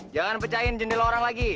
jangan pecahin jendela orang lagi